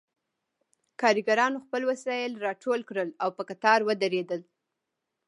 کارګرانو خپل وسایل راټول کړل او په قطار ودرېدل